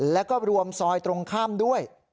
แล้วก็รวมซอยตรงข้ามด้วย